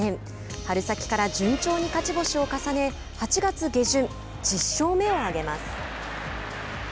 春先から順調に勝ち星を重ね８月下旬、１０勝目を挙げます。